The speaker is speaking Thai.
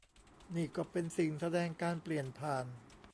นี่ก็เป็นสิ่งแสดงการเปลี่ยนผ่าน